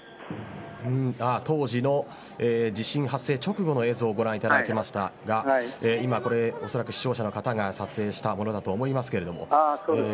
当時の地震発生直後の映像ご覧いただきましたが今これ、おそらく視聴者の方が撮影したものだとそうですか。